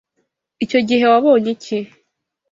Icyo gihe wabonye iki?